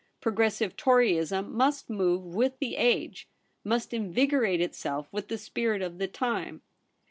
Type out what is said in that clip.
Pro gressive Toryism must move with the age ; must invigorate itself with the spirit of the time.